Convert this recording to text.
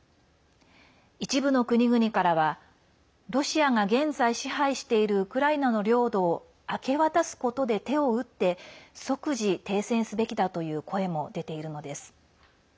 一部の国々からはロシアが現在、支配しているウクライナの領土を明け渡すことで手を打って即時停戦すべきだという声も出ているのです。